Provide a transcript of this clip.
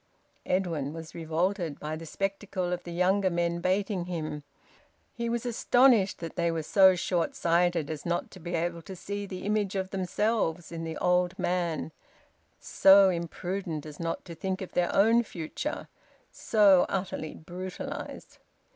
Edwin was revolted by the spectacle of the younger men baiting him. He was astonished that they were so short sighted as not to be able to see the image of themselves in the old man, so imprudent as not to think of their own future, so utterly brutalised.